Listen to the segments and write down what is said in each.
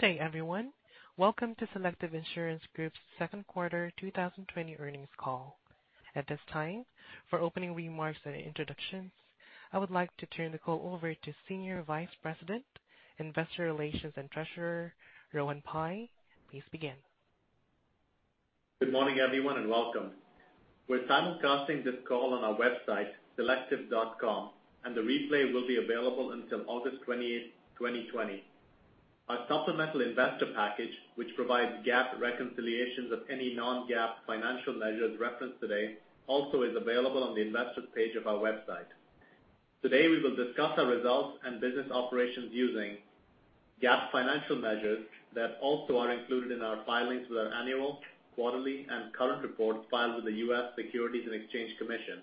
Good day, everyone. Welcome to Selective Insurance Group's second quarter 2020 earnings call. At this time, for opening remarks and introductions, I would like to turn the call over to Senior Vice President, Investor Relations, and Treasurer, Rohan Pai. Please begin. Good morning, everyone. Welcome. We're simulcasting this call on our website, selective.com, and the replay will be available until August 28, 2020. Our supplemental investor package, which provides GAAP reconciliations of any non-GAAP financial measures referenced today, also is available on the investor's page of our website. Today, we will discuss our results and business operations using GAAP financial measures that also are included in our filings with our annual, quarterly, and current reports filed with the U.S. Securities and Exchange Commission.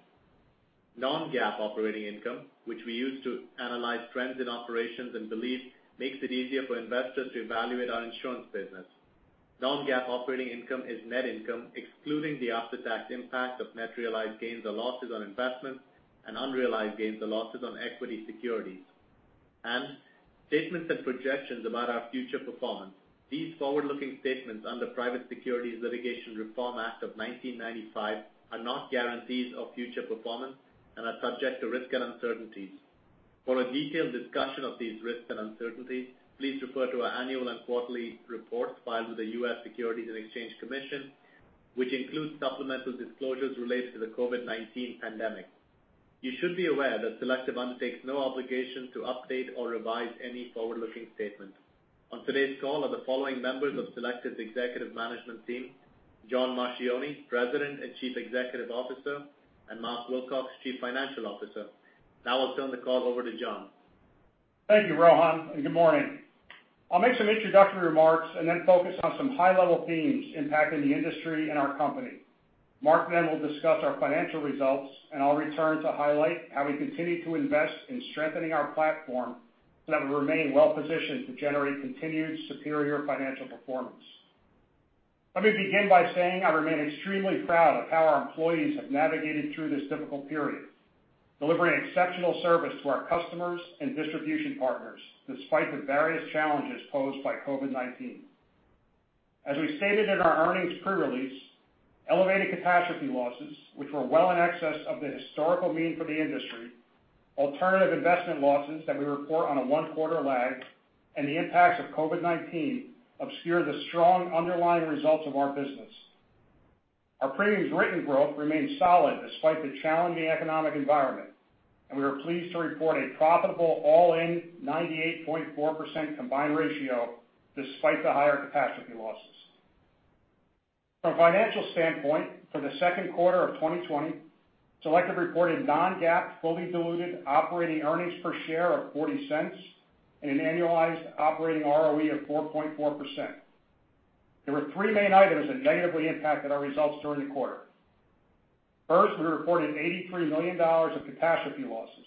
Non-GAAP operating income, which we use to analyze trends in operations and believe makes it easier for investors to evaluate our insurance business. Non-GAAP operating income is net income, excluding the after-tax impact of net realized gains or losses on investments and unrealized gains or losses on equity securities. Statements and projections about our future performance. These forward-looking statements under Private Securities Litigation Reform Act of 1995 are not guarantees of future performance and are subject to risks and uncertainties. For a detailed discussion of these risks and uncertainties, please refer to our annual and quarterly reports filed with the U.S. Securities and Exchange Commission, which includes supplemental disclosures related to the COVID-19 pandemic. You should be aware that Selective undertakes no obligation to update or revise any forward-looking statements. On today's call are the following members of Selective's executive management team: John Marchioni, President and Chief Executive Officer, and Mark Wilcox, Chief Financial Officer. I'll turn the call over to John. Thank you, Rohan. Good morning. I'll make some introductory remarks and focus on some high-level themes impacting the industry and our company. Mark will discuss our financial results, and I'll return to highlight how we continue to invest in strengthening our platform so that we remain well-positioned to generate continued superior financial performance. Let me begin by saying I remain extremely proud of how our employees have navigated through this difficult period, delivering exceptional service to our customers and distribution partners despite the various challenges posed by COVID-19. As we stated in our earnings pre-release, elevated catastrophe losses, which were well in excess of the historical mean for the industry, alternative investment losses that we report on a one-quarter lag, and the impacts of COVID-19 obscure the strong underlying results of our business. Our premiums written growth remains solid despite the challenging economic environment, and we are pleased to report a profitable all-in 98.4% combined ratio despite the higher catastrophe losses. From a financial standpoint, for the second quarter of 2020, Selective reported non-GAAP, fully diluted operating earnings per share of $0.40 and an annualized operating ROE of 4.4%. There were three main items that negatively impacted our results during the quarter. First, we reported $83 million of catastrophe losses,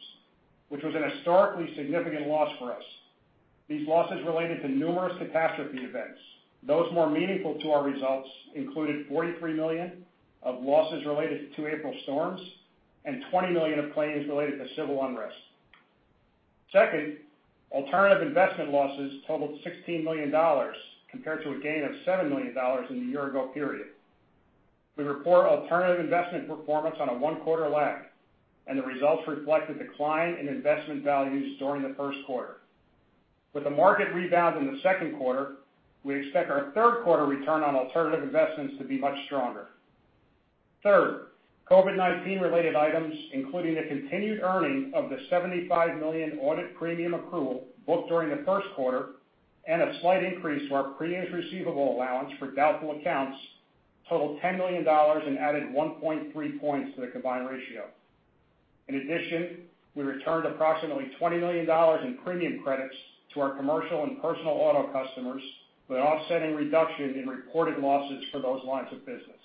which was an historically significant loss for us. These losses related to numerous catastrophe events. Those more meaningful to our results included $43 million of losses related to two April storms and $20 million of claims related to civil unrest. Second, alternative investment losses totaled $16 million compared to a gain of $7 million in the year-ago period. We report alternative investment performance on a one-quarter lag, and the results reflect the decline in investment values during the first quarter. With the market rebound in the second quarter, we expect our third quarter return on alternative investments to be much stronger. Third, COVID-19-related items, including the continued earning of the $75 million audit premium accrual booked during the first quarter and a slight increase to our premiums receivable allowance for doubtful accounts totaled $10 million and added 1.3 points to the combined ratio. In addition, we returned approximately $20 million in premium credits to our Commercial Auto and personal auto customers with an offsetting reduction in reported losses for those lines of business.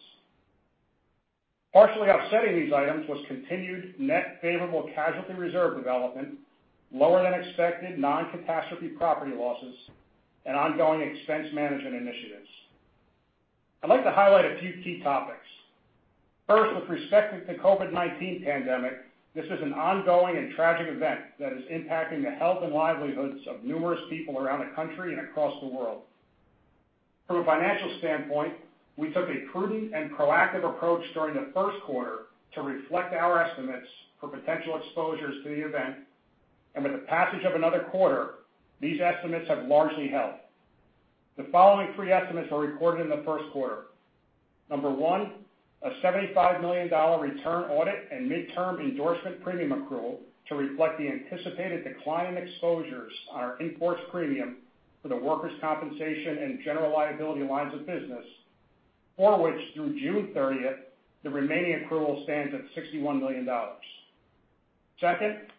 Partially offsetting these items was continued net favorable casualty reserve development, lower than expected non-catastrophe property losses, and ongoing expense management initiatives. I'd like to highlight a few key topics. First, with respect to the COVID-19 pandemic, this is an ongoing and tragic event that is impacting the health and livelihoods of numerous people around the country and across the world. From a financial standpoint, we took a prudent and proactive approach during the first quarter to reflect our estimates for potential exposures to the event, and with the passage of another quarter, these estimates have largely held. The following pre-estimates are recorded in the first quarter. Number 1, a $75 million return audit and midterm endorsement premium accrual to reflect the anticipated decline in exposures on our in-force premium for the Workers' Compensation and General Liability lines of business, for which through June 30th, the remaining accrual stands at $61 million. Second, a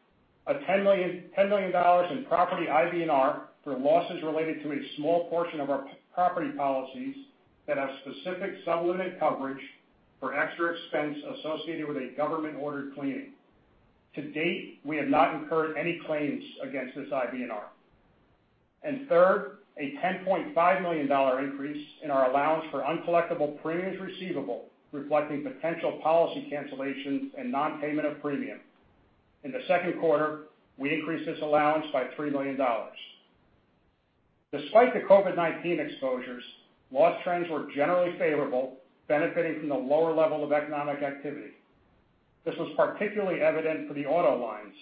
$10 million in property IBNR for losses related to a small portion of our property policies that have specific sub-limit coverage for extra expense associated with a government-ordered cleaning. To date, we have not incurred any claims against this IBNR. Third, a $10.5 million increase in our allowance for uncollectible premiums receivable reflecting potential policy cancellations and non-payment of premium. In the second quarter, we increased this allowance by $3 million. Despite the COVID-19 exposures, loss trends were generally favorable, benefiting from the lower level of economic activity. This was particularly evident for the auto lines,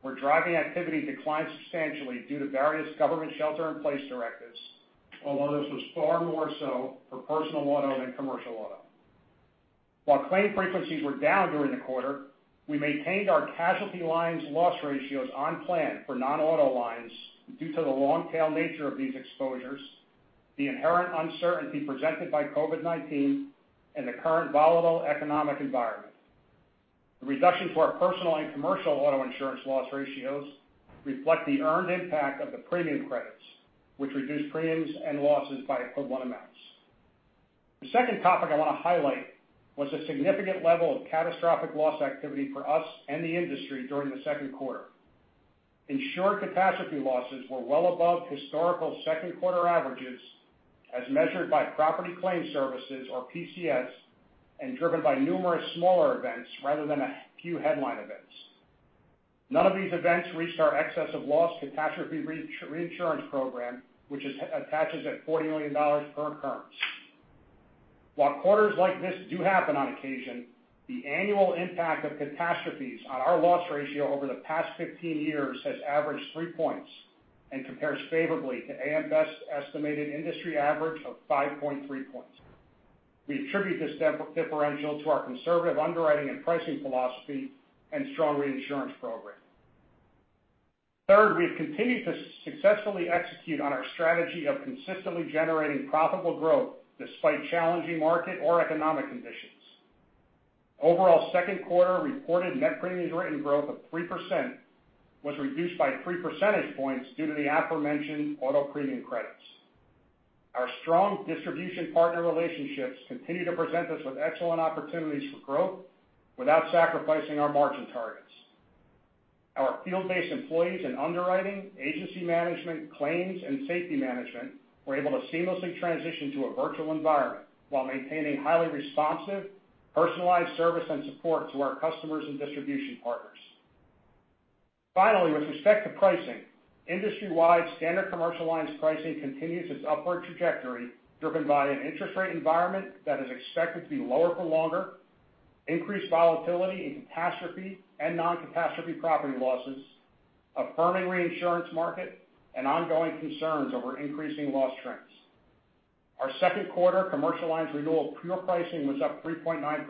where driving activity declined substantially due to various government shelter in place directives, although this was far more so for personal auto than Commercial Auto. While claim frequencies were down during the quarter, we maintained our casualty lines loss ratios on plan for non-auto lines due to the long tail nature of these exposures, the inherent uncertainty presented by COVID-19, and the current volatile economic environment. The reduction for our Personal Lines and Commercial Auto insurance loss ratios reflect the earned impact of the premium credits, which reduced premiums and losses by equivalent amounts. The second topic I want to highlight was the significant level of catastrophic loss activity for us and the industry during the second quarter. Insured catastrophe losses were well above historical second quarter averages as measured by Property Claim Services or PCS, and driven by numerous smaller events rather than a few headline events. None of these events reached our excess of loss catastrophe reinsurance program, which attaches at $40 million per occurrence. While quarters like this do happen on occasion, the annual impact of catastrophes on our loss ratio over the past 15 years has averaged three points and compares favorably to AM Best's estimated industry average of 5.3 points. We attribute this differential to our conservative underwriting and pricing philosophy and strong reinsurance program. Third, we've continued to successfully execute on our strategy of consistently generating profitable growth despite challenging market or economic conditions. Overall, second quarter reported net premiums written growth of 3% was reduced by three percentage points due to the aforementioned auto premium credits. Our strong distribution partner relationships continue to present us with excellent opportunities for growth without sacrificing our margin targets. Our field-based employees in underwriting, agency management, claims, and safety management were able to seamlessly transition to a virtual environment while maintaining highly responsive, personalized service and support to our customers and distribution partners. Finally, with respect to pricing, industry-wide Standard Commercial Lines pricing continues its upward trajectory driven by an interest rate environment that is expected to be lower for longer, increased volatility in catastrophe and non-catastrophe property losses, a firming reinsurance market, and ongoing concerns over increasing loss trends. Our second quarter Commercial Lines renewal pure pricing was up 3.9%.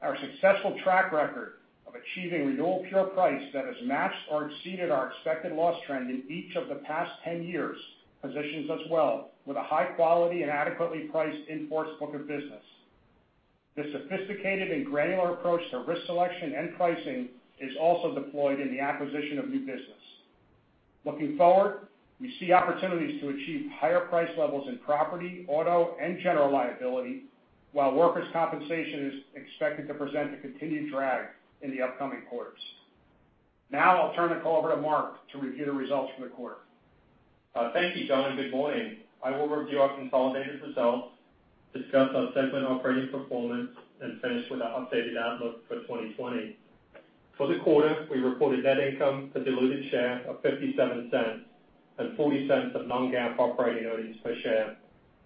Our successful track record of achieving renewal pure price that has matched or exceeded our expected loss trend in each of the past 10 years positions us well with a high quality and adequately priced in-force book of business. This sophisticated and granular approach to risk selection and pricing is also deployed in the acquisition of new business. Looking forward, we see opportunities to achieve higher price levels in property, auto, and General Liability, while Workers' Compensation is expected to present a continued drag in the upcoming quarters. I'll turn the call over to Mark to review the results for the quarter. Thank you, John, and good morning. I will review our consolidated results, discuss our segment operating performance, and finish with our updated outlook for 2020. For the quarter, we reported net income per diluted share of $0.57 and $0.40 of non-GAAP operating earnings per share.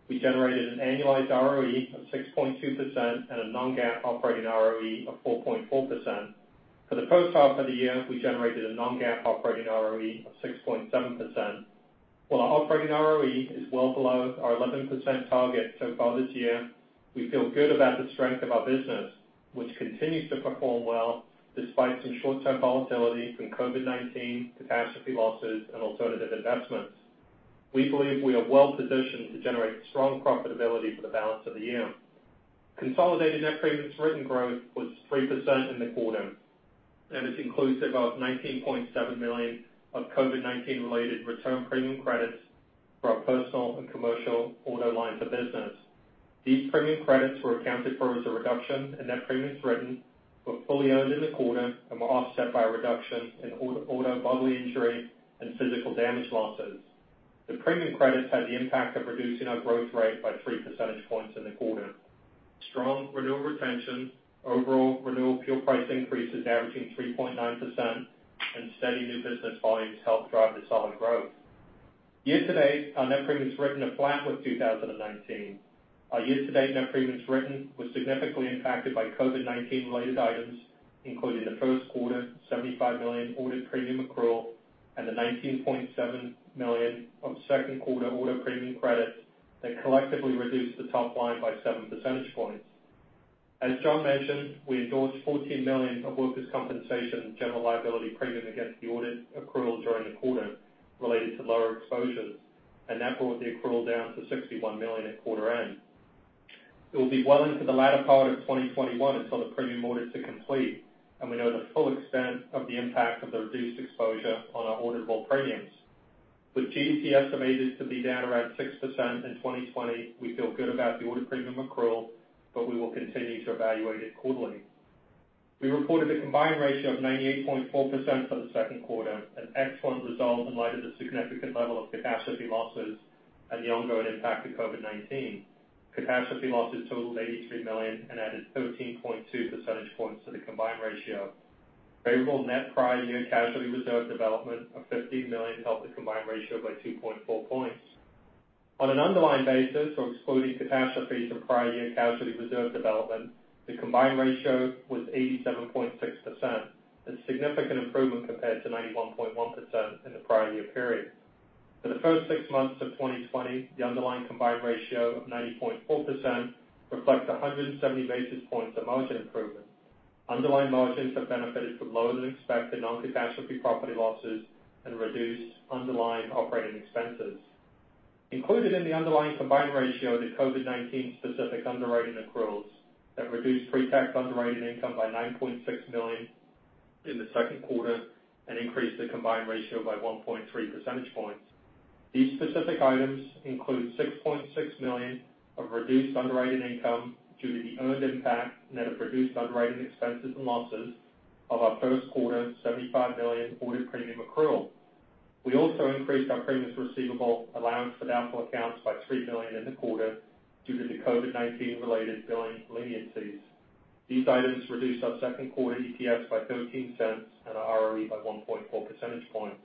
We generated an annualized ROE of 6.2% and a non-GAAP operating ROE of 4.4%. For the first half of the year, we generated a non-GAAP operating ROE of 6.7%. While our operating ROE is well below our 11% target so far this year, we feel good about the strength of our business, which continues to perform well despite some short-term volatility from COVID-19, catastrophe losses, and alternative investments. We believe we are well positioned to generate strong profitability for the balance of the year. Consolidated net premiums written growth was 3% in the quarter, is inclusive of $19.7 million of COVID-19 related return premium credits for our Personal Lines and Commercial Auto lines of business. These premium credits were accounted for as a reduction in net premiums written, were fully earned in the quarter, and were offset by a reduction in auto bodily injury and physical damage losses. The premium credits had the impact of reducing our growth rate by three percentage points in the quarter. Strong renewal retention, overall renewal pure price increases averaging 3.9%, Steady new business volumes helped drive the solid growth. Year-to-date, our net premiums written are flat with 2019. Our year-to-date net premiums written was significantly impacted by COVID-19 related items, including the first quarter $75 million audit premium accrual and the $19.7 million of second quarter auto premium credits that collectively reduced the top line by seven percentage points. As John mentioned, we endorsed $14 million of Workers' Compensation and General Liability premium against the audit accrual during the quarter related to lower exposures. That brought the accrual down to $61 million at quarter-end. It will be well into the latter part of 2021 until the premium audits are complete. We know the full extent of the impact of the reduced exposure on our auditable premiums. With GDP estimated to be down around 6% in 2020, we feel good about the audit premium accrual, we will continue to evaluate it quarterly. We reported a combined ratio of 98.4% for the second quarter, an excellent result in light of the significant level of catastrophe losses and the ongoing impact of COVID-19. Catastrophe losses totaled $83 million, added 13.2 percentage points to the combined ratio. Favorable net prior year casualty reserve development of $15 million helped the combined ratio by 2.4 points. On an underlying basis, or excluding catastrophes and prior year casualty reserve development, the combined ratio was 87.6%, a significant improvement compared to 91.1% in the prior year period. For the first six months of 2020, the underlying combined ratio of 90.4% reflects 170 basis points of margin improvement. Underlying margins have benefited from lower-than-expected non-catastrophe property losses and reduced underlying operating expenses. Included in the underlying combined ratio are the COVID-19 specific underwriting accruals that reduced pre-tax underwriting income by $9.6 million in the second quarter and increased the combined ratio by 1.3 percentage points. These specific items include $6.6 million of reduced underwriting income due to the earned impact net of reduced underwriting expenses and losses of our first quarter $75 million audit premium accrual. We also increased our premiums receivable allowance for doubtful accounts by $3 million in the quarter due to the COVID-19 related billing leniencies. These items reduced our second quarter EPS by $0.13 and our ROE by 1.4 percentage points.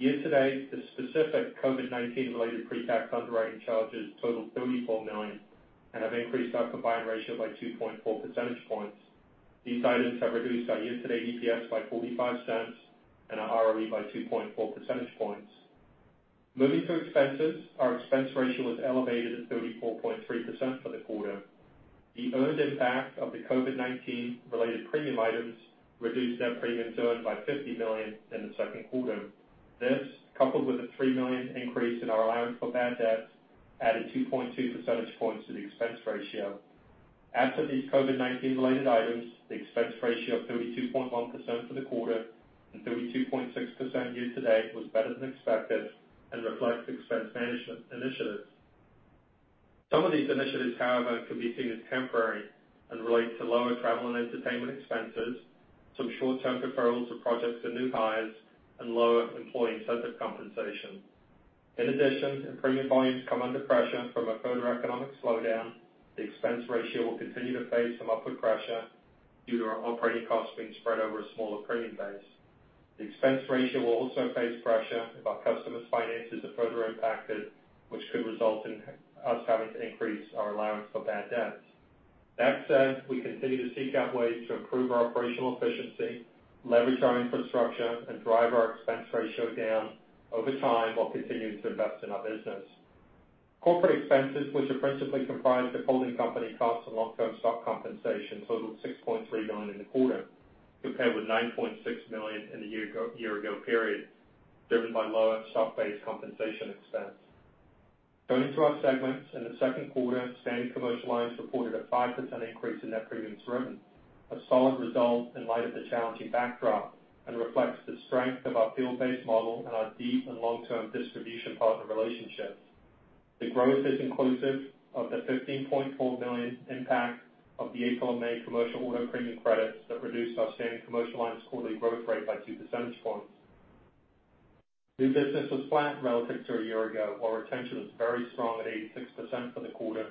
Year-to-date, the specific COVID-19 related pre-tax underwriting charges total $34 million and have increased our combined ratio by 2.4 percentage points. These items have reduced our year-to-date EPS by $0.45 and our ROE by 2.4 percentage points. Moving to expenses, our expense ratio was elevated at 34.3% for the quarter. The earned impact of the COVID-19 related premium items reduced net premiums earned by $50 million in the second quarter. This, coupled with a $3 million increase in our allowance for bad debts, added 2.2 percentage points to the expense ratio. Absent these COVID-19 related items, the expense ratio of 32.1% for the quarter and 32.6% year-to-date was better than expected and reflects expense management initiatives. Some of these initiatives, however, can be seen as temporary and relate to lower travel and entertainment expenses, some short-term deferrals of projects to new highs, and lower employee incentive compensation. In addition, if premium volumes come under pressure from a further economic slowdown, the expense ratio will continue to face some upward pressure due to our operating costs being spread over a smaller premium base. The expense ratio will also face pressure if our customers' finances are further impacted, which could result in us having to increase our allowance for bad debts. That said, we continue to seek out ways to improve our operational efficiency, leverage our infrastructure, and drive our expense ratio down over time while continuing to invest in our business. Corporate expenses, which are principally comprised of holding company costs and long-term stock compensation, totaled $6.3 million in the quarter, compared with $9.6 million in the year-ago period, driven by lower stock-based compensation expense. Going to our segments, in the second quarter, Standard Commercial Lines reported a 5% increase in net premiums written, a solid result in light of the challenging backdrop, and reflects the strength of our field-based model and our deep and long-term distribution partner relationships. The growth is inclusive of the $15.4 million impact of the April and May Commercial Auto premium credits that reduced our Standard Commercial Lines quarterly growth rate by two percentage points. New business was flat relative to a year-ago, while retention was very strong at 86% for the quarter,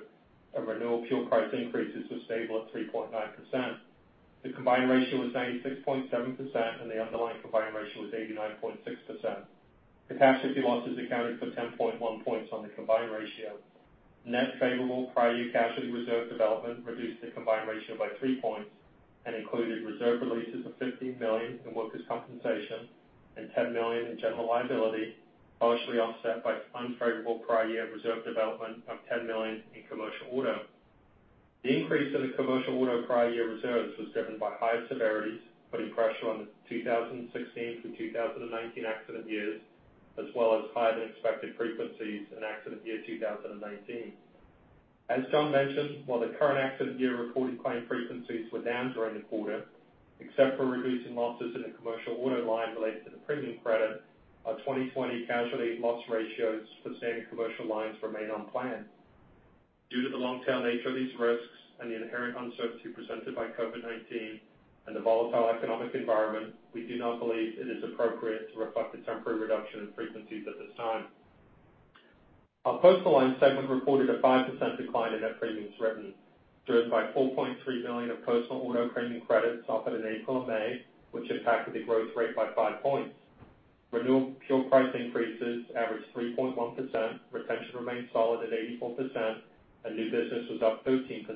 and renewal pure price increases were stable at 3.9%. The combined ratio was 96.7%, and the underlying combined ratio was 89.6%. Catastrophe losses accounted for 10.1 points on the combined ratio. Net favorable prior year casualty reserve development reduced the combined ratio by three points and included reserve releases of $15 million in Workers' Compensation and $10 million in General Liability, partially offset by unfavorable prior year reserve development of $10 million in Commercial Auto. The increase in the Commercial Auto prior year reserves was driven by higher severities, putting pressure on the 2016 through 2019 accident years, as well as higher-than-expected frequencies in accident year 2019. As John mentioned, while the current accident year reported claim frequencies were down during the quarter, except for reducing losses in the Commercial Auto line related to the premium credit, our 2020 casualty loss ratios for Standard Commercial Lines remain on plan. Due to the long-term nature of these risks and the inherent uncertainty presented by COVID-19 and the volatile economic environment, we do not believe it is appropriate to reflect a temporary reduction in frequencies at this time. Our Personal Lines segment reported a 5% decline in net premiums revenue, driven by $4.3 million of personal auto premium credits offered in April and May, which impacted the growth rate by five points. Renewal pure price increases averaged 3.1%, retention remained solid at 84%. New business was up 13%.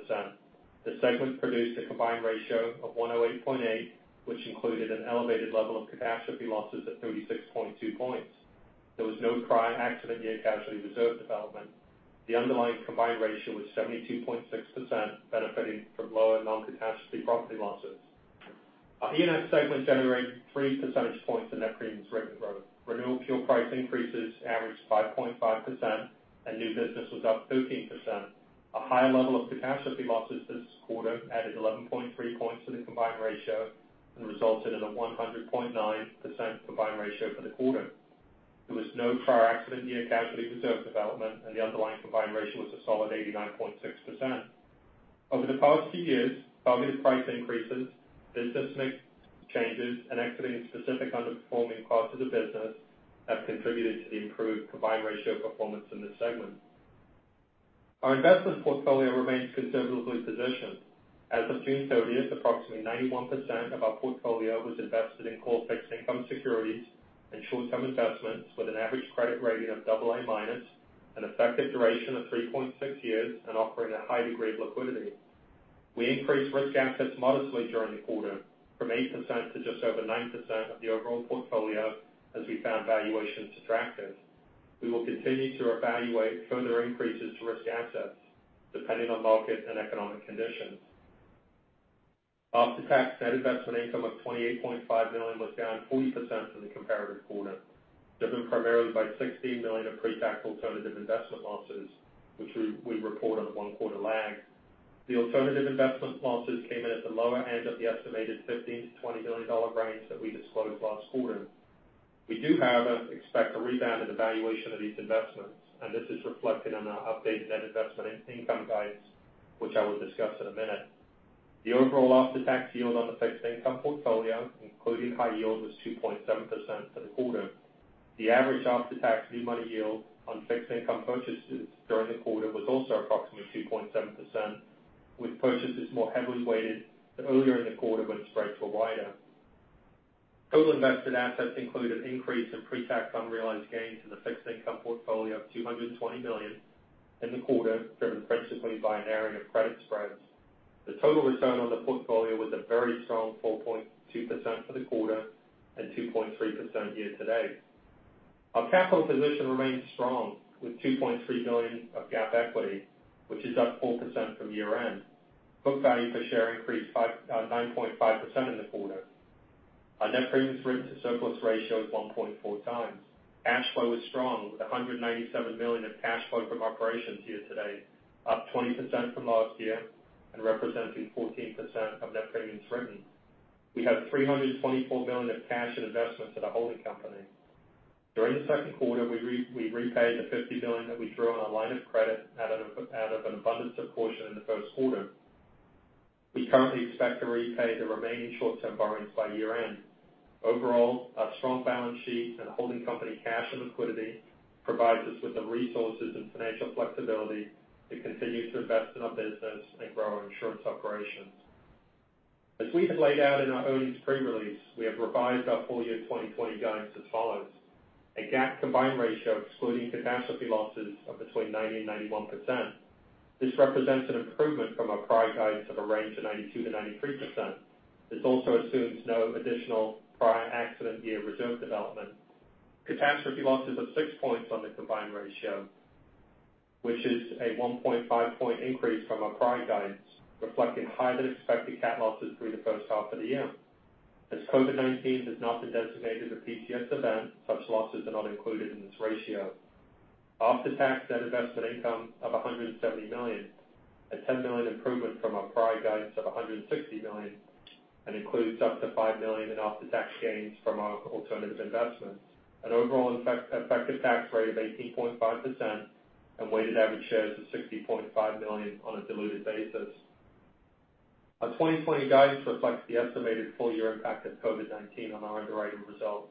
The segment produced a combined ratio of 108.8, which included an elevated level of catastrophe losses of 36.2 points. There was no prior accident year casualty reserve development. The underlying combined ratio was 72.6%, benefiting from lower non-catastrophe property losses. Our E&S segment generated three percentage points in net premiums written growth. Renewal pure price increases averaged 5.5%. New business was up 13%. A higher level of catastrophe losses this quarter added 11.3 points to the combined ratio and resulted in a 100.9% combined ratio for the quarter. There was no prior accident year casualty reserve development. The underlying combined ratio was a solid 89.6%. Over the past few years, targeted price increases, business mix changes, and exiting specific underperforming parts of the business have contributed to the improved combined ratio performance in this segment. Our investment portfolio remains conservatively positioned. As of June 30th, approximately 91% of our portfolio was invested in core fixed income securities and short-term investments with an average credit rating of double A-minus, an effective duration of 3.6 years, and offering a high degree of liquidity. We increased risk assets modestly during the quarter from 8% to just over 9% of the overall portfolio as we found valuations attractive. We will continue to evaluate further increases to risk assets depending on market and economic conditions. After-tax net investment income of $28.5 million was down 40% from the comparative quarter, driven primarily by $16 million of pre-tax alternative investment losses, which we report on a one-quarter lag. The alternative investment losses came in at the lower end of the estimated $15 million to $20 million range that we disclosed last quarter. We do, however, expect a rebound in the valuation of these investments. This is reflected in our updated net investment income guidance, which I will discuss in a minute. The overall after-tax yield on the fixed income portfolio, including high yield, was 2.7% for the quarter. The average after-tax new money yield on fixed income purchases during the quarter was also approximately 2.7%, with purchases more heavily weighted earlier in the quarter when spreads were wider. Total invested assets include an increase in pre-tax unrealized gains in the fixed income portfolio of $220 million in the quarter, driven principally by a narrowing of credit spreads. The total return on the portfolio was a very strong 4.2% for the quarter and 2.3% year-to-date. Our capital position remains strong with $2.3 billion of GAAP equity, which is up 4% from year-end. Book value per share increased 9.5% in the quarter. Our net premiums written to surplus ratio is 1.4 times. Cash flow is strong, with $197 million of cash flow from operations year-to-date, up 20% from last year and representing 14% of net premiums written. We have $324 million of cash and investments at our holding company. During the second quarter, we repaid the $50 million that we drew on our line of credit out of an abundance of caution in the first quarter. We currently expect to repay the remaining short-term borrowings by year-end. Overall, our strong balance sheet and holding company cash and liquidity provides us with the resources and financial flexibility to continue to invest in our business and grow our insurance operations. As we have laid out in our earnings pre-release, we have revised our full year 2020 guidance as follows: A GAAP combined ratio excluding catastrophe losses of between 90% and 91%. This represents an improvement from our prior guidance of a range of 92% to 93%. This also assumes no additional prior accident year reserve development. Catastrophe losses of six points on the combined ratio, which is a 1.5 point increase from our prior guidance, reflecting higher-than-expected cat losses through the first half of the year. As COVID-19 has not been designated a PCS event, such losses are not included in this ratio. After-tax net investment income of $170 million, a $10 million improvement from our prior guidance of $160 million, and includes up to $5 million in after-tax gains from our alternative investments. Weighted average shares of 60.5 million on a diluted basis. Our 2020 guidance reflects the estimated full-year impact of COVID-19 on our underwriting results.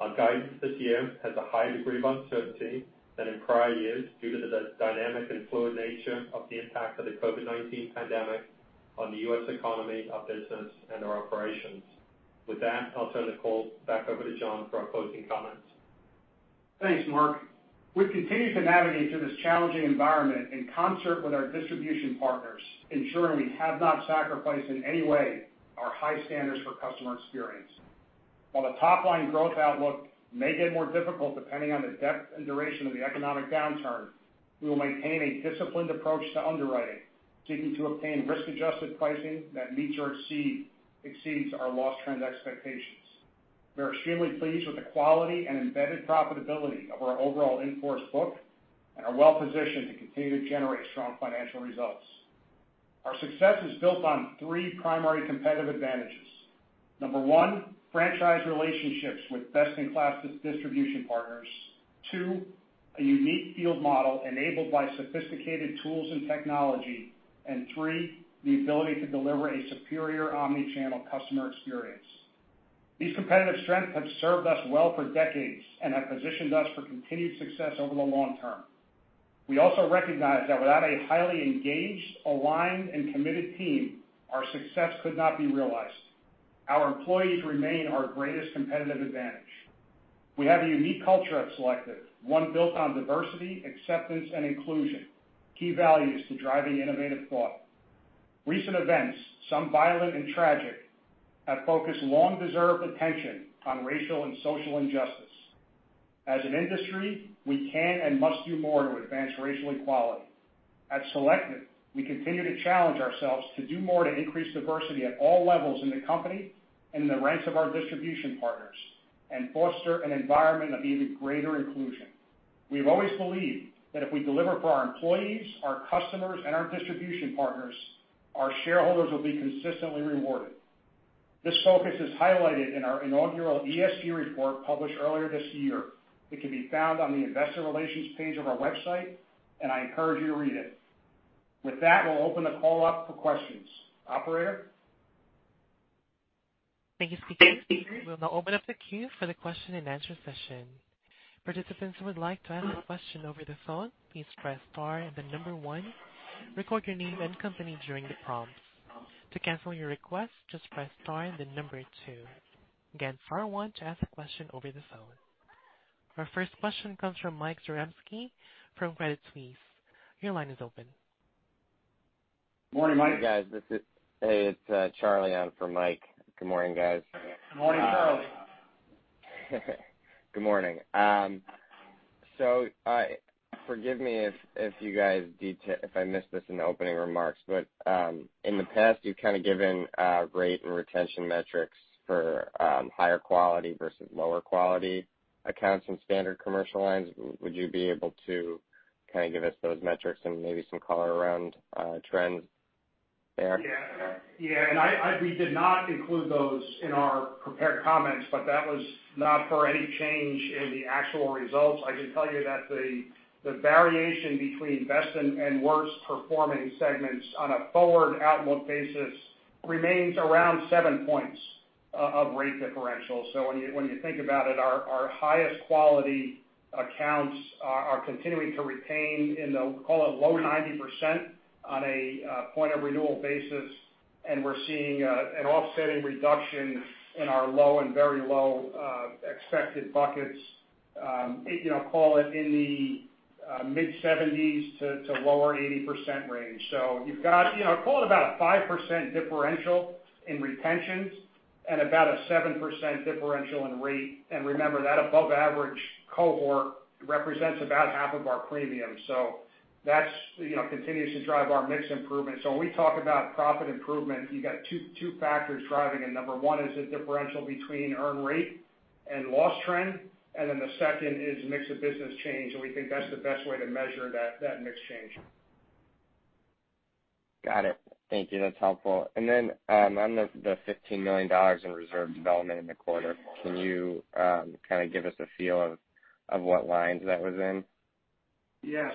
Our guidance this year has a higher degree of uncertainty than in prior years due to the dynamic and fluid nature of the impact of the COVID-19 pandemic on the U.S. economy, our business, and our operations. With that, I'll turn the call back over to John for our closing comments. Thanks, Mark. We've continued to navigate through this challenging environment in concert with our distribution partners, ensuring we have not sacrificed in any way our high standards for customer experience. While the top-line growth outlook may get more difficult depending on the depth and duration of the economic downturn, we will maintain a disciplined approach to underwriting, seeking to obtain risk-adjusted pricing that meets or exceeds our loss trend expectations. We are extremely pleased with the quality and embedded profitability of our overall in-force book and are well-positioned to continue to generate strong financial results. Our success is built on three primary competitive advantages. Number one, franchise relationships with best-in-class distribution partners. Two, a unique field model enabled by sophisticated tools and technology. Three, the ability to deliver a superior omnichannel customer experience. These competitive strengths have served us well for decades and have positioned us for continued success over the long term. We also recognize that without a highly engaged, aligned, and committed team, our success could not be realized. Our employees remain our greatest competitive advantage. We have a unique culture at Selective, one built on diversity, acceptance, and inclusion, key values to driving innovative thought. Recent events, some violent and tragic, have focused long-deserved attention on racial and social injustice. As an industry, we can and must do more to advance racial equality. At Selective, we continue to challenge ourselves to do more to increase diversity at all levels in the company, and in the ranks of our distribution partners, and foster an environment of even greater inclusion. We have always believed that if we deliver for our employees, our customers, and our distribution partners, our shareholders will be consistently rewarded. This focus is highlighted in our inaugural ESG report published earlier this year. It can be found on the investor relations page of our website, and I encourage you to read it. With that, we will open the call up for questions. Operator? Thank you, speakers. We will now open up the queue for the question and answer session. Participants who would like to ask a question over the phone, please press star and the number one. Record your name and company during the prompts. To cancel your request, just press star and then number two. Again, star one to ask a question over the phone. Our first question comes from Mike Zaremski from Credit Suisse. Your line is open. Morning, Mike. Hey, guys. Hey, it's Charlie on for Mike. Good morning, guys. Morning, Charlie. Good morning. Forgive me if I missed this in the opening remarks, but, in the past, you've kind of given rate and retention metrics for higher quality versus lower quality accounts in Standard Commercial Lines. Would you be able to kind of give us those metrics and maybe some color around trends there? Yeah. We did not include those in our prepared comments, but that was not for any change in the actual results. I can tell you that the variation between best and worst performing segments on a forward outlook basis remains around seven points of rate differential. When you think about it, our highest quality accounts are continuing to retain in the, call it, low 90% on a point-of-renewal basis, and we're seeing an offsetting reduction in our low and very low expected buckets, call it in the mid-70s to lower 80% range. You've got about a 5% differential in retentions and about a 7% differential in rate. Remember that above average cohort represents about half of our premium. That continues to drive our mix improvement. When we talk about profit improvement, you've got two factors driving it. Number one is the differential between earn rate and loss trend. The second is mix of business change. We think that's the best way to measure that mix change. Got it. Thank you. That's helpful. Then, on the $15 million in reserve development in the quarter, can you kind of give us a feel of what lines that was in? Yeah.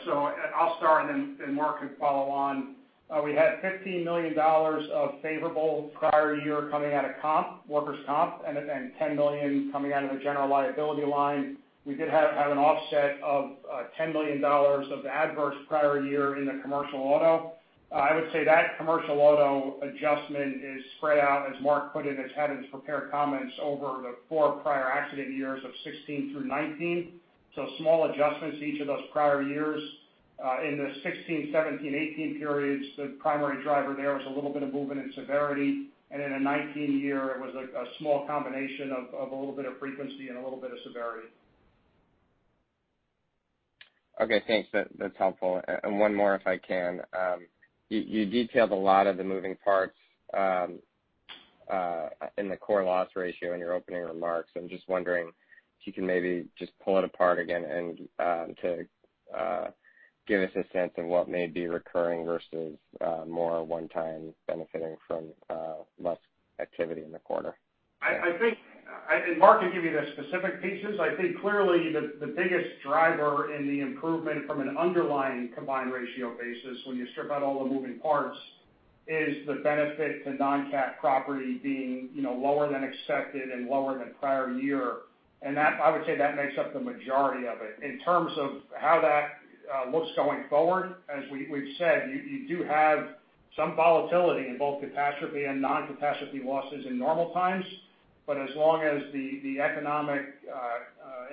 I'll start, and then Mark can follow on. We had $15 million of favorable prior year coming out of Comp, Workers' Comp, and then $10 million coming out of the General Liability line. We did have an offset of $10 million of the adverse prior year in the Commercial Auto. I would say that Commercial Auto adjustment is spread out, as Mark put it, as had in his prepared comments over the four prior accident years of 2016 through 2019. Small adjustments to each of those prior years. In the 2016, 2017, 2018 periods, the primary driver there was a little bit of movement in severity. In the 2019 year, it was a small combination of a little bit of frequency and a little bit of severity. Okay, thanks. That's helpful. One more, if I can. You detailed a lot of the moving parts in the core loss ratio in your opening remarks. I'm just wondering if you can maybe just pull it apart again and to give us a sense of what may be recurring versus more one-time benefiting from less activity in the quarter. Mark can give you the specific pieces. I think clearly the biggest driver in the improvement from an underlying combined ratio basis when you strip out all the moving parts is the benefit to non-cat property being lower than expected and lower than prior year. I would say that makes up the majority of it. In terms of how that looks going forward, as we've said, you do have some volatility in both catastrophe and non-catastrophe losses in normal times. As long as the economic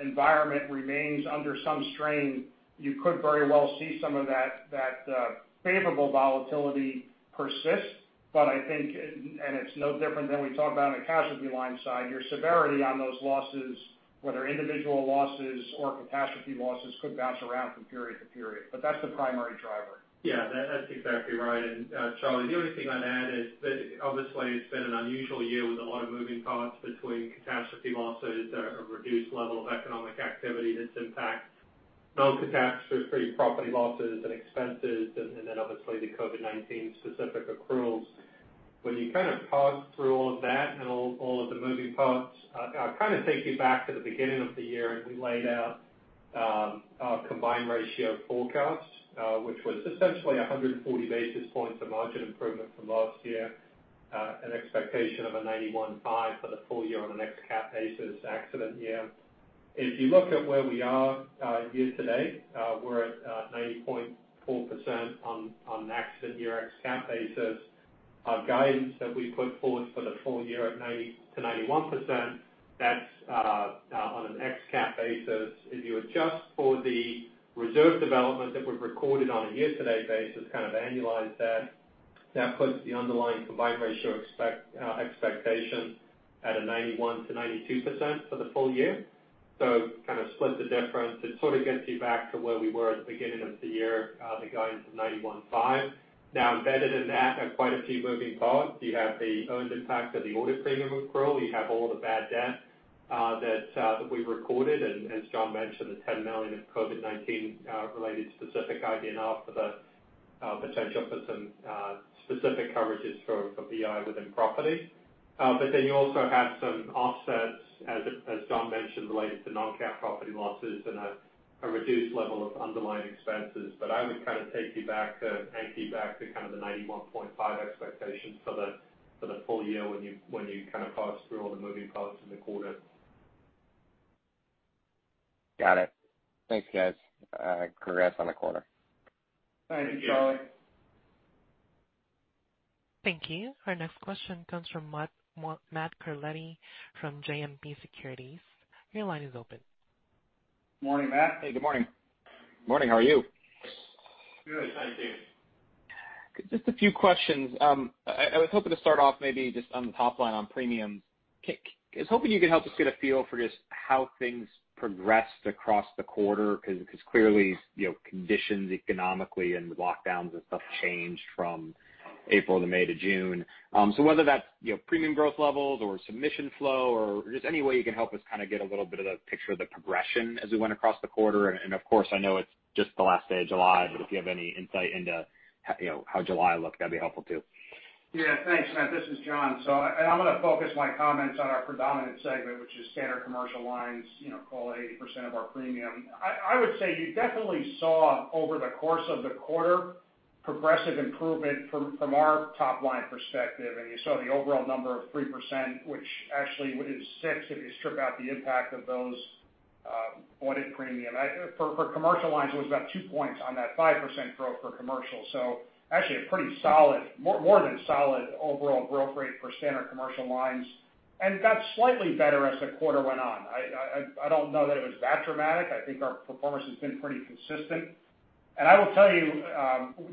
environment remains under some strain, you could very well see some of that favorable volatility persist. I think, and it's no different than we talk about on the catastrophe line side, your severity on those losses, whether individual losses or catastrophe losses, could bounce around from period to period. That's the primary driver. Yeah, that's exactly right. Charlie, the only thing I'd add is that obviously it's been an unusual year with a lot of moving parts between catastrophe losses, a reduced level of economic activity that's impacted non-catastrophe property losses and expenses, and then obviously the COVID-19 specific accruals. When you kind of parse through all of that and all of the moving parts, I'll take you back to the beginning of the year as we laid out our combined ratio forecast, which was essentially 140 basis points of margin improvement from last year, an expectation of a 91.5% for the full year on an ex-cat basis accident year. If you look at where we are year to date, we're at 90.4% on the accident year ex-cat basis. Our guidance that we put forward for the full year at 90%-91%, that's on an ex-cat basis. If you adjust for the reserve development that we've recorded on a year-to-date basis, kind of annualize that puts the underlying combined ratio expectation at a 91%-92% for the full year. Kind of split the difference. It sort of gets you back to where we were at the beginning of the year, the guidance of 91.5%. Now embedded in that are quite a few moving parts. You have the earned impact of the audit premium accrual. You have all the bad debt that we recorded and as John mentioned, the $10 million of COVID-19 related specific IBNR for the potential for some specific coverages for BI within property. Then you also have some offsets, as John mentioned, related to non-cat property losses and a reduced level of underlying expenses. I would kind of take you back and keep you back to kind of the 91.5% expectations for the full year when you kind of parse through all the moving parts in the quarter. Got it. Thanks, guys. Congrats on the quarter. Thank you. Thank you. Thank you. Our next question comes from Matthew Carletti from JMP Securities. Your line is open. Morning, Matt. Hey, good morning. Morning, how are you? Good, thank you. Just a few questions. I was hoping to start off maybe just on the top line on premiums. I was hoping you could help us get a feel for just how things progressed across the quarter, because clearly, conditions economically and the lockdowns and stuff changed from April to May to June. Whether that's premium growth levels or submission flow or just any way you can help us kind of get a little bit of the picture of the progression as we went across the quarter. Of course, I know it's just the last day of July, but if you have any insight into how July looked, that'd be helpful too. Yeah. Thanks, Matt. This is John. I'm going to focus my comments on our predominant segment, which is Standard Commercial Lines, call it 80% of our premium. I would say you definitely saw over the course of the quarter, progressive improvement from our top-line perspective. You saw the overall number of 3%, which actually is 6%, if you strip out the impact of those audit premium. For Commercial Lines, it was about 2 points on that 5% growth for commercial. Actually, a pretty solid, more than solid overall growth rate for Standard Commercial Lines. Got slightly better as the quarter went on. I don't know that it was that dramatic. I think our performance has been pretty consistent. I will tell you,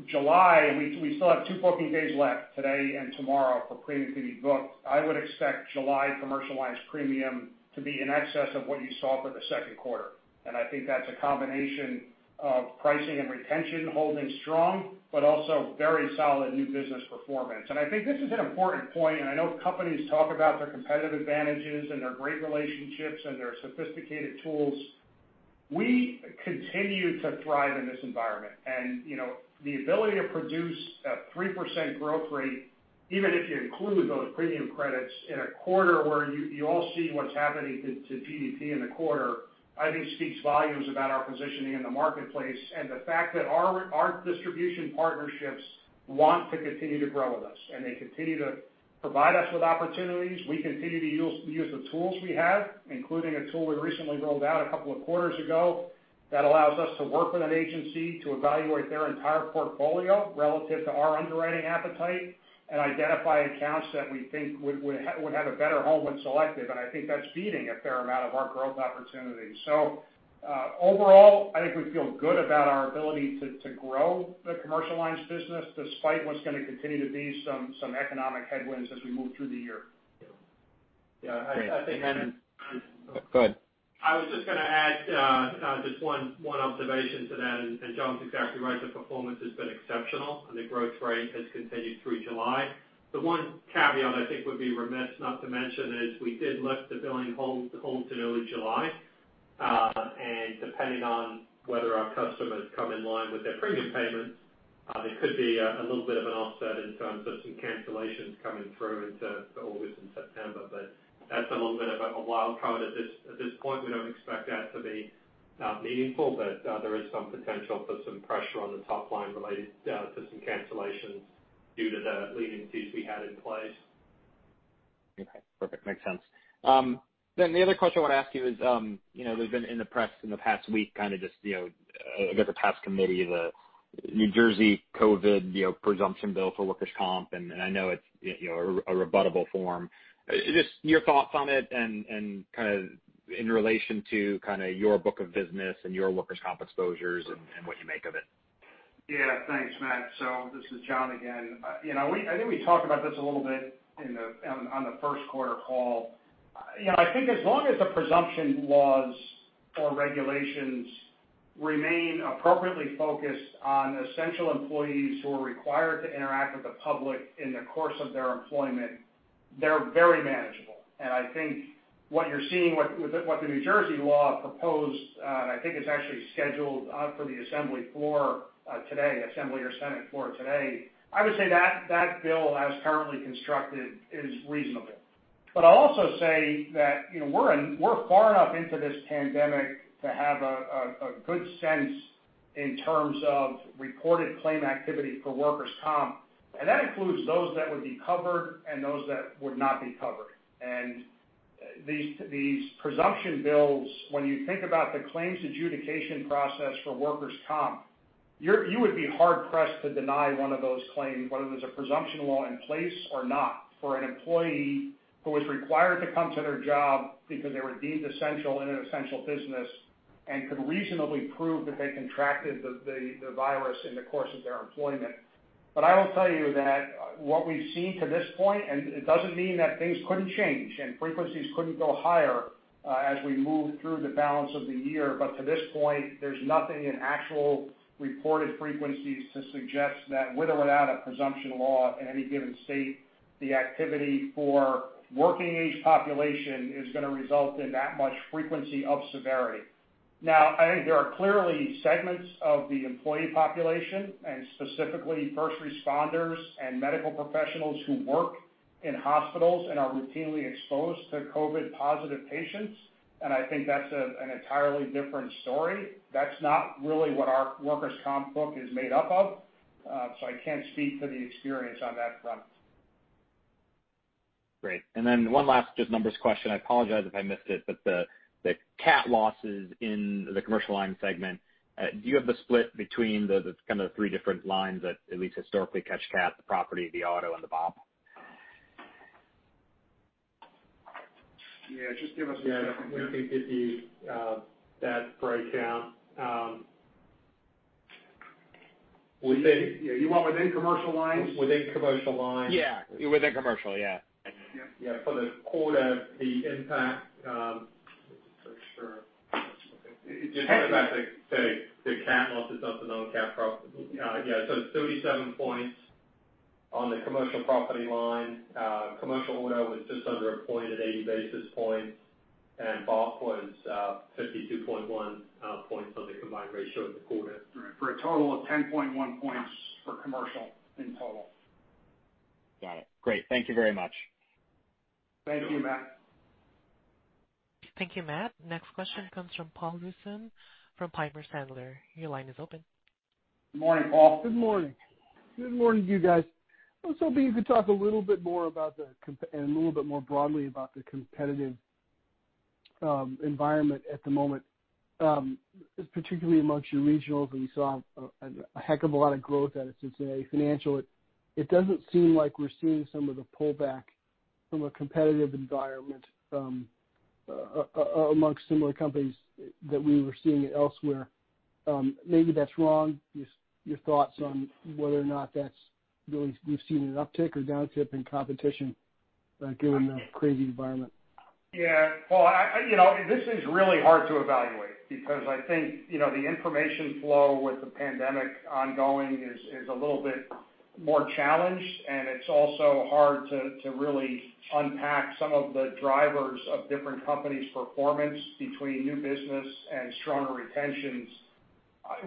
July, we still have 2 booking days left today and tomorrow for premium to be booked. I would expect July Commercial Lines premium to be in excess of what you saw for the second quarter, and I think that's a combination of pricing and retention holding strong, but also very solid new business performance. I think this is an important point, and I know companies talk about their competitive advantages and their great relationships and their sophisticated tools. We continue to thrive in this environment. The ability to produce a 3% growth rate, even if you include those premium credits in a quarter where you all see what's happening to GDP in the quarter, I think speaks volumes about our positioning in the marketplace, and the fact that our distribution partnerships want to continue to grow with us, and they continue to provide us with opportunities. We continue to use the tools we have, including a tool we recently rolled out a couple of quarters ago that allows us to work with an agency to evaluate their entire portfolio relative to our underwriting appetite and identify accounts that we think would have a better home when selected. I think that's feeding a fair amount of our growth opportunities. Overall, I think we feel good about our ability to grow the Commercial Lines business despite what's going to continue to be some economic headwinds as we move through the year. Yeah, I think. Go ahead. I was just going to add just one observation to that. John's exactly right. The performance has been exceptional, and the growth rate has continued through July. The one caveat I think we'd be remiss not to mention is we did lift the billing holds in early July. Depending on whether our customers come in line with their premium payments, there could be a little bit of an offset in terms of some cancellations coming through into August and September. That's a little bit of a wild card at this point. We don't expect that to be meaningful, but there is some potential for some pressure on the top line related to some cancellations due to the leniencies we had in place. Okay. Perfect. Makes sense. The other question I want to ask you is, there's been in the press in the past week, kind of just, I guess, a task committee, the New Jersey COVID presumption bill for workers' comp. I know it's a rebuttable form. Just your thoughts on it and kind of in relation to your book of business and your workers' comp exposures and what you make of it. Yeah. Thanks, Matt. This is John again. I think we talked about this a little bit on the first quarter call. I think as long as the presumption laws or regulations remain appropriately focused on essential employees who are required to interact with the public in the course of their employment, they're very manageable. I think what you're seeing, what the New Jersey law proposed, and I think it's actually scheduled for the assembly floor today, assembly or Senate floor today. I would say that bill as currently constructed is reasonable. I'll also say that we're far enough into this pandemic to have a good sense in terms of reported claim activity for Workers' Compensation, and that includes those that would be covered and those that would not be covered. These presumption bills, when you think about the claims adjudication process for Workers' Compensation, you would be hard-pressed to deny one of those claims, whether there's a presumption law in place or not, for an employee who was required to come to their job because they were deemed essential in an essential business and could reasonably prove that they contracted the virus in the course of their employment. I will tell you that what we've seen to this point, and it doesn't mean that things couldn't change and frequencies couldn't go higher, as we move through the balance of the year. To this point, there's nothing in actual reported frequencies to suggest that with or without a presumption law in any given state, the activity for working age population is going to result in that much frequency of severity. I think there are clearly segments of the employee population, and specifically first responders and medical professionals who work in hospitals and are routinely exposed to COVID-positive patients. I think that's an entirely different story. That's not really what our Workers' Compensation book is made up of, so I can't speak to the experience on that front. Great. One last just numbers question, I apologize if I missed it, the cat losses in the commercial line segment, do you have the split between those kind of three different lines that at least historically catch cat, the Commercial Property, the Commercial Auto and the BOP? Yeah, just give us a second here. Yeah. We can get you that breakdown. You want within commercial lines? Within commercial lines. Yeah. Within commercial, yeah. Yeah. For the quarter, the impact, just about to say, the cat loss is also non-cat prop. Yeah. 37 points on the Commercial Property line. Commercial Auto was just under a point at 80 basis points, BOP was 52.1 points on the combined ratio in the quarter. Right. For a total of 10.1 points for commercial in total. Got it. Great. Thank you very much. Thank you, Matt. Thank you, Matt. Next question comes from Paul Newsome from Piper Sandler. Your line is open. Good morning, Paul. Good morning. Good morning to you guys. I was hoping you could talk a little bit more broadly about the competitive environment at the moment, particularly amongst your regionals, where you saw a heck of a lot of growth and items of that nature. It doesn't seem like we're seeing some of the pullback from a competitive environment amongst similar companies that we were seeing elsewhere. Maybe that's wrong. Your thoughts on whether or not that's really, you've seen an uptick or downtip in competition given the crazy environment. Yeah. Paul, this is really hard to evaluate because I think the information flow with the pandemic ongoing is a little bit more challenged, and it's also hard to really unpack some of the drivers of different companies' performance between new business and stronger retentions.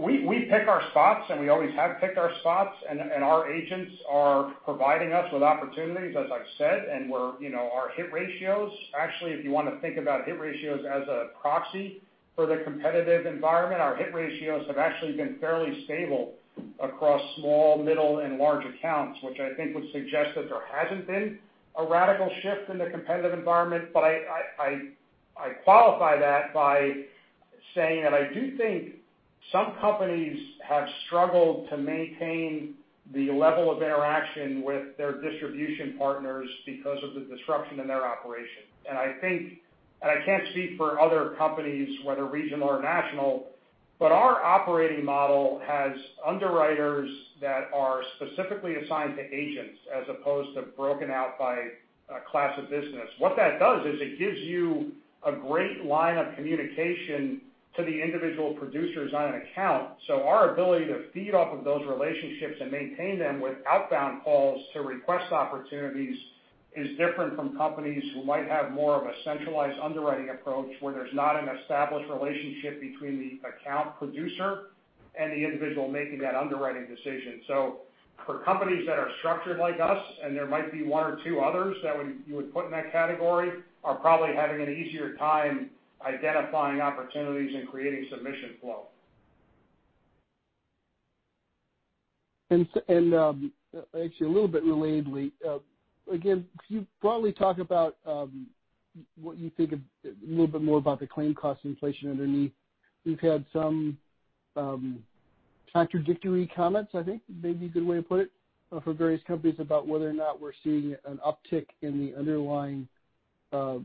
We pick our spots, and we always have picked our spots, and our agents are providing us with opportunities, as I've said, and our hit ratios. Actually, if you want to think about hit ratios as a proxy for the competitive environment, our hit ratios have actually been fairly stable across small, middle, and large accounts, which I think would suggest that there hasn't been a radical shift in the competitive environment. I qualify that by saying that I do think some companies have struggled to maintain the level of interaction with their distribution partners because of the disruption in their operation. I can't speak for other companies, whether regional or national, but our operating model has underwriters that are specifically assigned to agents as opposed to broken out by class of business. What that does is it gives you a great line of communication to the individual producers on an account. Our ability to feed off of those relationships and maintain them with outbound calls to request opportunities is different from companies who might have more of a centralized underwriting approach, where there's not an established relationship between the account producer and the individual making that underwriting decision. For companies that are structured like us, and there might be one or two others that you would put in that category, are probably having an easier time identifying opportunities and creating submission flow. Actually, a little bit relatedly, again, can you broadly talk about what you think a little bit more about the claim cost inflation underneath? We've had some contradictory comments, I think may be a good way to put it, for various companies about whether or not we're seeing an uptick in the underlying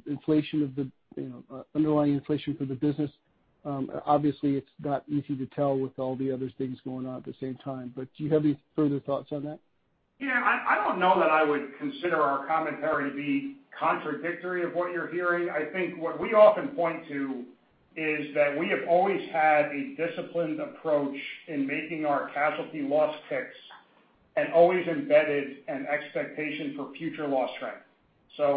inflation for the business. Obviously, it's not easy to tell with all the other things going on at the same time. Do you have any further thoughts on that? Yeah. I don't know that I would consider our commentary to be contradictory of what you're hearing. I think what we often point to is that we have always had a disciplined approach in making our casualty loss picks and always embedded an expectation for future loss trend.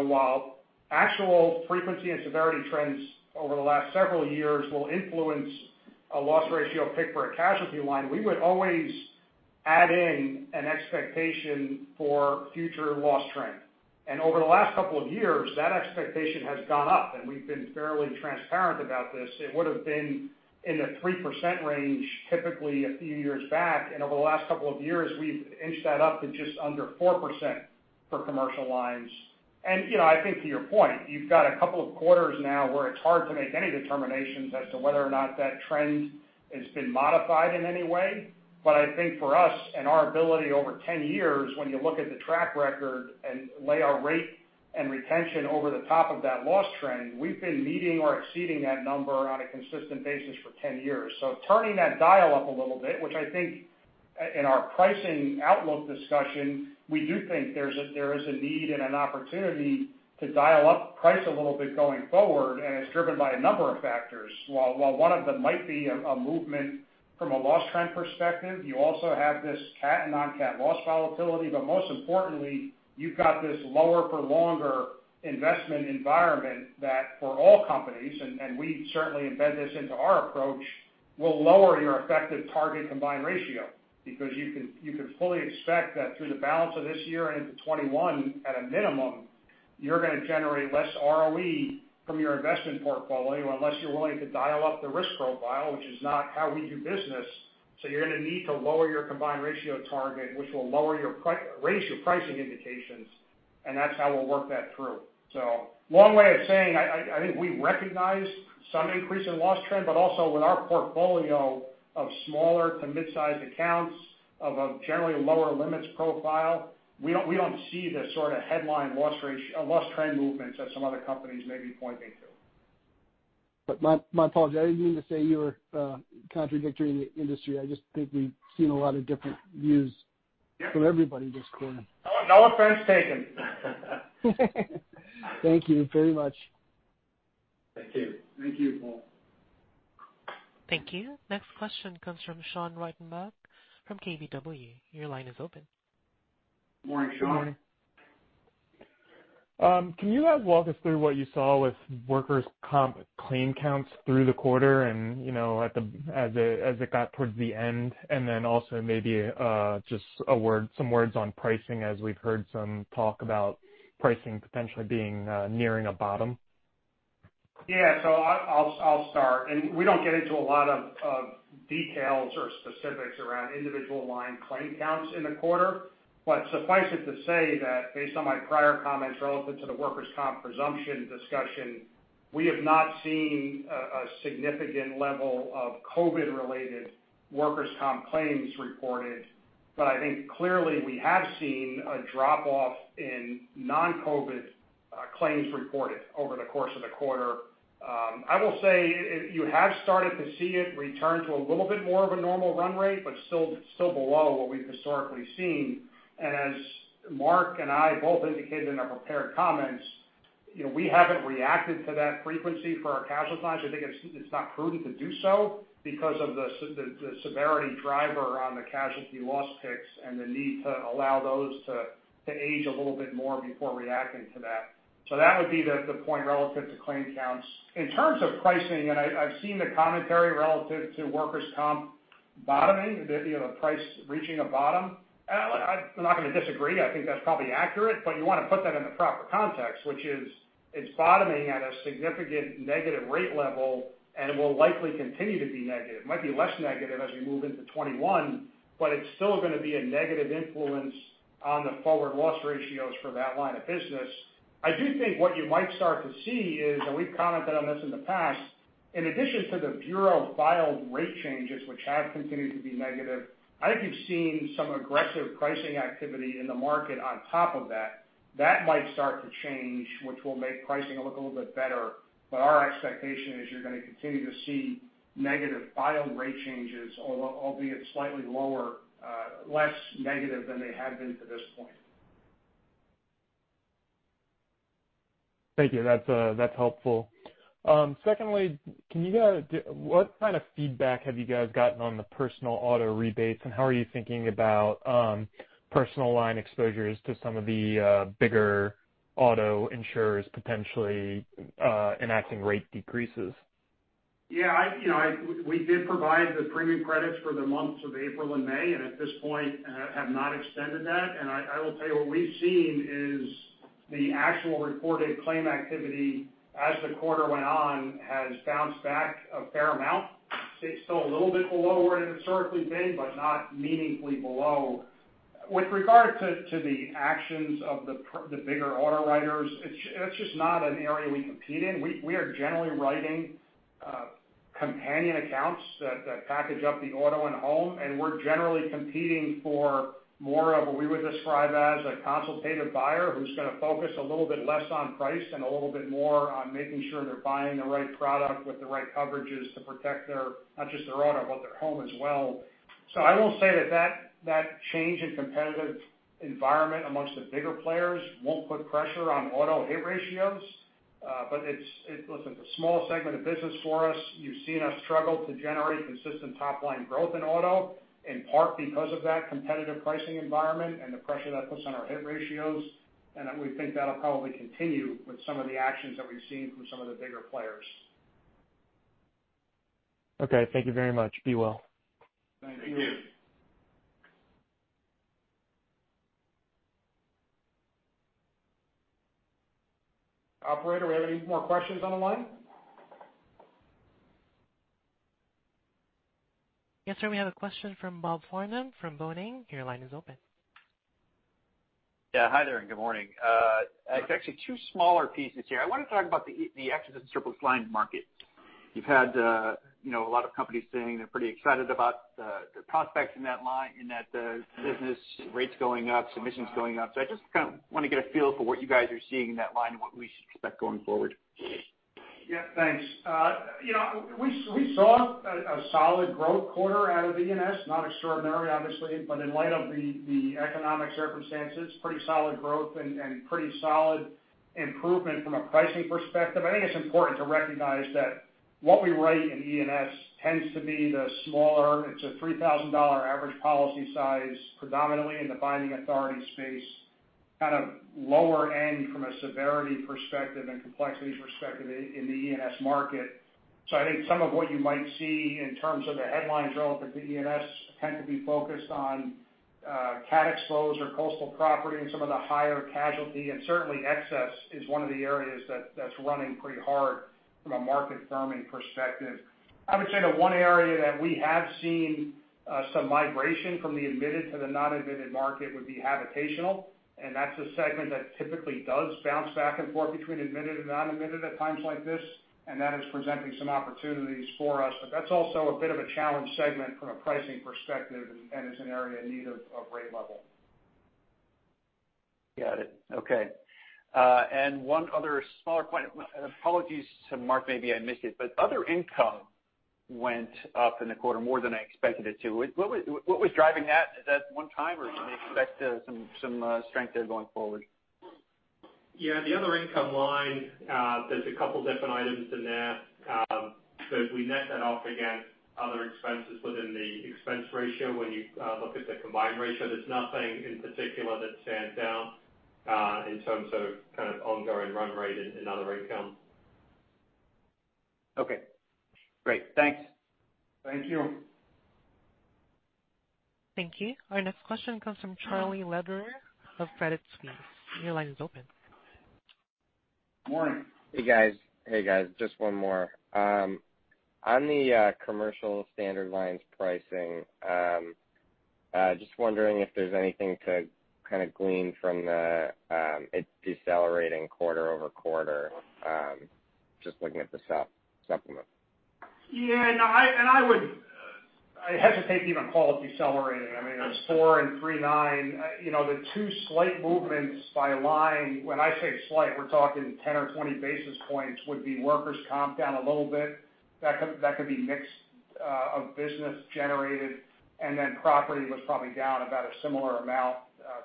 While actual frequency and severity trends over the last several years will influence a loss ratio pick for a casualty line, we would always add in an expectation for future loss trend. Over the last couple of years, that expectation has gone up, and we've been fairly transparent about this. It would've been in the 3% range, typically a few years back, and over the last couple of years, we've inched that up to just under 4% for commercial lines. I think to your point, you've got a couple of quarters now where it's hard to make any determinations as to whether or not that trend has been modified in any way. I think for us and our ability over 10 years, when you look at the track record and lay our rate and retention over the top of that loss trend, we've been meeting or exceeding that number on a consistent basis for 10 years. Turning that dial up a little bit, which I think in our pricing outlook discussion, we do think there is a need and an opportunity to dial up price a little bit going forward, and it's driven by a number of factors. While one of them might be a movement from a loss trend perspective. You also have this cat and non-cat loss volatility, but most importantly, you've got this lower for longer investment environment that for all companies, and we certainly embed this into our approach, will lower your effective target combined ratio. Because you can fully expect that through the balance of this year and into 2021, at a minimum, you're going to generate less ROE from your investment portfolio unless you're willing to dial up the risk profile, which is not how we do business. You're going to need to lower your combined ratio target, which will raise your pricing indications, and that's how we'll work that through. Long way of saying, I think we recognize some increase in loss trend, but also with our portfolio of smaller to mid-sized accounts of a generally lower limits profile, we don't see the sort of headline loss trend movements that some other companies may be pointing to. My apologies, I didn't mean to say you were contradictory in the industry. I just think we've seen a lot of different views. Yeah from everybody this quarter. No offense taken. Thank you very much. Thank you. Thank you, Paul. Thank you. Next question comes from Sean Reitenbach from KBW. Your line is open. Morning, Sean. Good morning. Can you guys walk us through what you saw with workers' comp claim counts through the quarter, and as it got towards the end, and also maybe just some words on pricing as we've heard some talk about pricing potentially nearing a bottom? I'll start. We don't get into a lot of details or specifics around individual line claim counts in the quarter. Suffice it to say that based on my prior comments relevant to the workers' comp presumption discussion, we have not seen a significant level of COVID-related workers' comp claims reported. I think clearly we have seen a drop-off in non-COVID claims reported over the course of the quarter. I will say, you have started to see it return to a little bit more of a normal run rate, but still below what we've historically seen. As Mark and I both indicated in our prepared comments, we haven't reacted to that frequency for our casualties. I think it's not prudent to do so because of the severity driver on the casualty loss ticks and the need to allow those to age a little bit more before reacting to that. That would be the point relative to claim counts. In terms of pricing, I've seen the commentary relative to Workers' Comp bottoming, the price reaching a bottom. I'm not going to disagree. I think that's probably accurate, but you want to put that in the proper context, which is it's bottoming at a significant negative rate level and will likely continue to be negative. It might be less negative as we move into 2021, but it's still going to be a negative influence on the forward loss ratios for that line of business. I do think what you might start to see is, we've commented on this in the past, in addition to the bureau-filed rate changes, which have continued to be negative, I think you've seen some aggressive pricing activity in the market on top of that. That might start to change, which will make pricing look a little bit better. Our expectation is you're going to continue to see negative filed rate changes, albeit slightly lower, less negative than they have been to this point. Thank you. That's helpful. Secondly, what kind of feedback have you guys gotten on the Personal Auto rebates, how are you thinking about Personal Line exposures to some of the bigger auto insurers potentially enacting rate decreases? Yeah. We did provide the premium credits for the months of April and May, at this point, have not extended that. I will tell you what we've seen is the actual reported claim activity as the quarter went on, has bounced back a fair amount. It's still a little bit below where it had historically been, but not meaningfully below. With regard to the actions of the bigger auto writers, it's just not an area we compete in. We are generally writing companion accounts that package up the auto and home, and we're generally competing for more of what we would describe as a consultative buyer who's going to focus a little bit less on price and a little bit more on making sure they're buying the right product with the right coverages to protect their, not just their auto, but their home as well. I will say that change in competitive environment amongst the bigger players won't put pressure on auto hit ratios. Listen, it's a small segment of business for us. You've seen us struggle to generate consistent top-line growth in auto, in part because of that competitive pricing environment and the pressure that puts on our hit ratios. We think that'll probably continue with some of the actions that we've seen from some of the bigger players. Okay. Thank you very much. Be well. Thank you. Thank you. Operator, we have any more questions on the line? Yes, sir. We have a question from Bob Hoffman from Boenning & Scattergood. Your line is open. Yeah. Hi there, and good morning. It's actually two smaller pieces here. I wanted to talk about the Excess and Surplus line market. You've had a lot of companies saying they're pretty excited about the prospects in that business, rates going up, submissions going up. I just kind of want to get a feel for what you guys are seeing in that line and what we should expect going forward. Yeah, thanks. We saw a solid growth quarter out of E&S, not extraordinary, obviously, but in light of the economic circumstances, pretty solid growth and pretty solid improvement from a pricing perspective. I think it's important to recognize that what we write in E&S tends to be the smaller. It's a $3,000 average policy size, predominantly in the binding authority space, kind of lower end from a severity perspective and complexity perspective in the E&S market. I think some of what you might see in terms of the headlines relevant to E&S tend to be focused on cat exposed or coastal property and some of the higher casualty, and certainly excess is one of the areas that's running pretty hard from a market firming perspective. I would say the one area that we have seen some migration from the admitted to the non-admitted market would be habitational, and that's a segment that typically does bounce back and forth between admitted and non-admitted at times like this, and that is presenting some opportunities for us. That's also a bit of a challenge segment from a pricing perspective and is an area in need of rate level. Got it. Okay. One other smaller point. Apologies to Mark, maybe I missed it, other income went up in the quarter more than I expected it to. What was driving that? Is that one-time or can we expect some strength there going forward? The other income line, there's a couple different items in there. We net that off against other expenses within the expense ratio. When you look at the combined ratio, there's nothing in particular that stands out in terms of kind of ongoing run rate in other income. Okay, great. Thanks. Thank you. Thank you. Our next question comes from Charlie Lederer of Credit Suisse. Your line is open. Morning. Hey, guys. Just one more. On the Standard Commercial Lines pricing, just wondering if there's anything to kind of glean from it decelerating quarter-over-quarter. Just looking at the supplement. Yeah, no. I hesitate to even call it decelerating. I mean, it was 4.39%. The two slight movements by line, when I say slight, we're talking 10 or 20 basis points, would be Workers' Comp down a little bit. That could be mix of business generated, then Commercial Property was probably down about a similar amount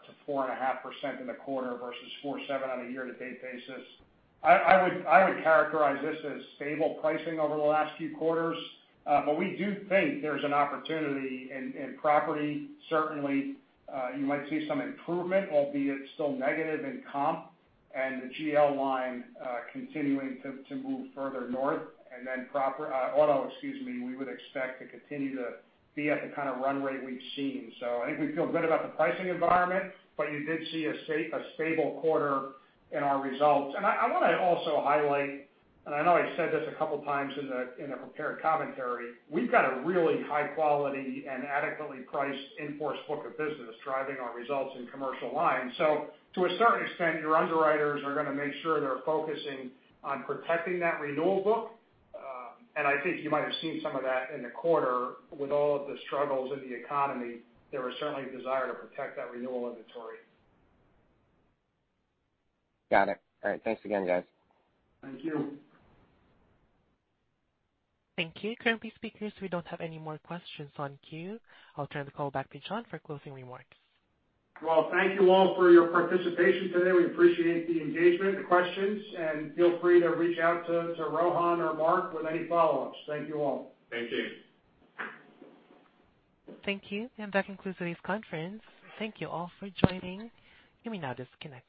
to 4.5% in the quarter versus 4.7% on a year-to-date basis. I would characterize this as stable pricing over the last few quarters. We do think there's an opportunity in Commercial Property. Certainly, you might see some improvement, albeit still negative in Comp and the GL line continuing to move further north. Then Commercial Auto, excuse me, we would expect to continue to be at the kind of run rate we've seen. I think we feel good about the pricing environment, but you did see a stable quarter in our results. I want to also highlight, and I know I said this a couple of times in the prepared commentary, we've got a really high quality and adequately priced in-force book of business driving our results in commercial lines. To a certain extent, your underwriters are going to make sure they're focusing on protecting that renewal book. I think you might have seen some of that in the quarter with all of the struggles in the economy. There was certainly a desire to protect that renewal inventory. Got it. All right. Thanks again, guys. Thank you. Thank you. Currently speakers, we don't have any more questions on queue. I'll turn the call back to John for closing remarks. Well, thank you all for your participation today. We appreciate the engagement, the questions, and feel free to reach out to Rohan or Mark with any follow-ups. Thank you all. Thank you. Thank you. That concludes today's conference. Thank you all for joining. You may now disconnect.